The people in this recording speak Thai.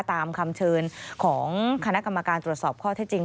ตามคำเชิญของคณะกรรมการตรวจสอบข้อเท็จจริง